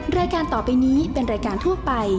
แม่บ้านประจัญบาล